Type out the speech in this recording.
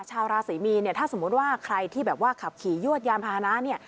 ชาวราศรีมีนถ้าสมมุติว่าใครที่ขับขี่ยวดยานพาหนะ